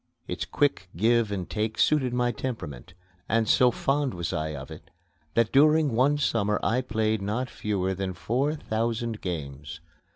Its quick give and take suited my temperament, and so fond was I of it that during one summer I played not fewer than four thousand games.